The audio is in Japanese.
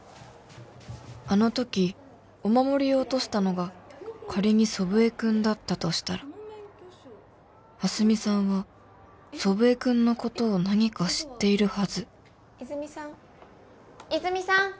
あのときお守りを落としたのが仮に祖父江君だったとしたら蓮見さんは祖父江君のことを何か知っているはず泉さん泉さん！